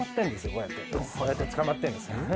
こうやってこうやって捕まってるんですね